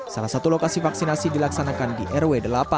salah satu lokasi vaksinasi dilaksanakan di rw delapan